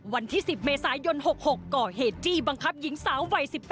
วันที่๑๐เมษายน๖๖ก่อเหตุจี้บังคับหญิงสาววัย๑๘